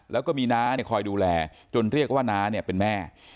แล้วก็มีน้าคอยดูแลจนเรียกว่าน้าเนี่ยเป็นแม่